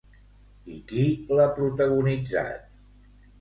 I qui l'ha protagonitzat?